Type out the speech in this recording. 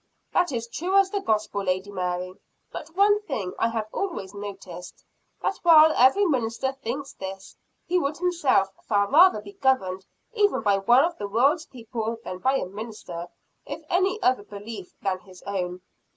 "That is true as the gospel, Lady Mary. But one thing I have always noticed. That while every minister thinks this, he would himself far rather be governed even by one of the world's people, than by a minister of any other belief than his own.